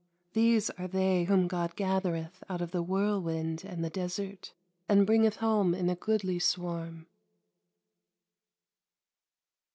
These are they whom God gathereth out of the whirlwind and the desert, and bringeth home in a goodly swarm.